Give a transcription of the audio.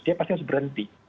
dia pasti harus berhenti